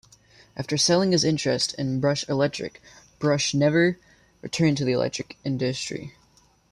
After selling his interests in Brush Electric, Brush never returned to the electric industry.